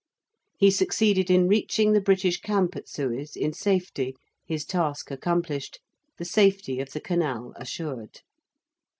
He succeeded in reaching the British camp at Suez in safety, his task accomplished, the safety of the Canal assured.